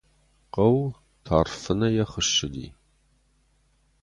Хъӕу тарф фынӕйӕ хуыссыди.